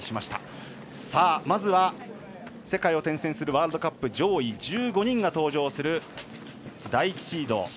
まずは、世界を転戦するワールドカップ上位１５人が登場する第１シード。